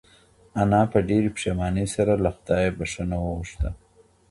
انا په ډېرې پښېمانۍ سره له خدایه بښنه وغوښته.